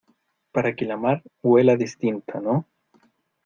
para que la mar huela distinta, ¿ no?